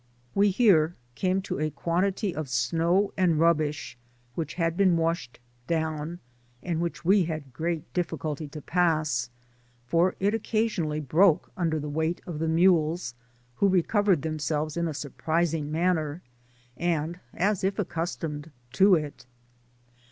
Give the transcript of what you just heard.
We here came to a quantity of snow and rub bish, which had been washed down, and which we had great difficulty to pass, for it occasionally broke Digitized byGoogk THE GREAT CORDILLERA. 161 under the weight of the mules, who recovered themselves in a surprising manner, and as if accus tomed to it.